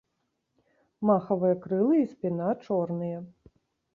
Махавыя крылы і спіна чорныя.